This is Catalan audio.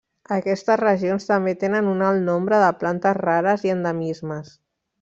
Aquestes regions també tenen un alt nombre de plantes rares i endemismes.